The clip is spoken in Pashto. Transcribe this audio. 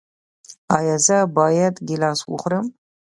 ایا زه باید ګیلاس وخورم؟